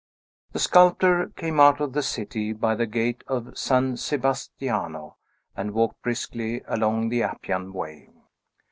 The sculptor came out of the city by the gate of San Sebastiano, and walked briskly along the Appian Way.